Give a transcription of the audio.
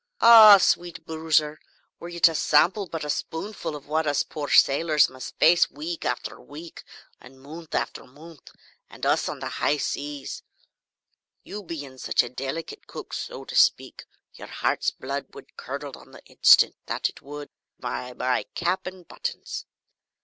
"Ah, sweet Boozer, were you to sample but a spoonful of what us pore sailors must face week after week, and month after month, and us on the high seas you bein' such a delikit cook, so to speak your heart's blood would curdle on the instant, that it would, by my cap and buttons!"